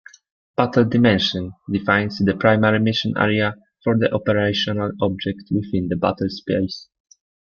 "Battle dimension" defines the primary mission area for the operational object within the battlespace.